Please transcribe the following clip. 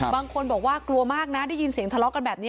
บางคนบอกว่ากลัวมากนะได้ยินเสียงทะเลาะกันแบบนี้